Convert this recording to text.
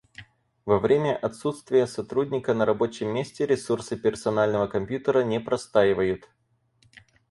Во время отсутствия сотрудника на рабочем месте ресурсы персонального компьютера не простаивают